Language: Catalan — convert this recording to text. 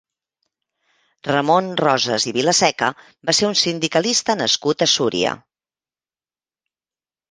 Ramon Rosas i Vilaseca va ser un sindicalista nascut a Súria.